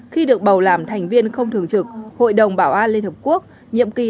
khi được bầu làm thành viên không thường trực hội đồng bảo an liên hợp quốc nhiệm kỳ hai nghìn hai mươi